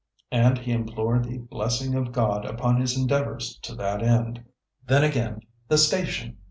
And he implored the blessing of God upon his endeavours to that end. Then, again, the station?